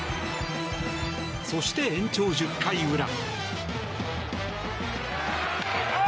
そして延長１０回裏。